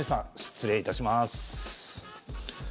失礼いたします。